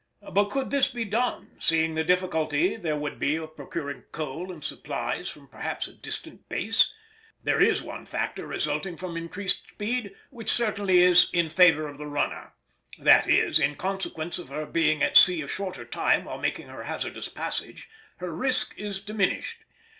But could this be done, seeing the difficulty there would be of procuring coal and supplies from perhaps a distant base? There is one factor resulting from increased speed which certainly is in favour of the runner; that is, in consequence of her being at sea a shorter time while making her hazardous passage, her risk is diminished.